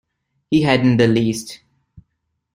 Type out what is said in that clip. He hadn't the least.